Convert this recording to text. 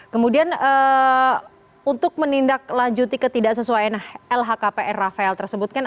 kemudian untuk menindaklanjuti ketidaksesuaian lhkpr rafaela tersebut kan